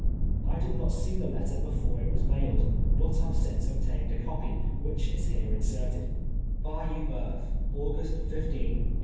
I did not see the letter before it was mailed, but have since obtained a copy, which is here inserted : "Bayou Boeuf, August 15, 1852.